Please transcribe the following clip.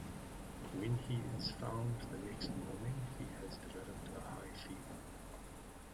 When he is found the next morning, he has developed a high fever.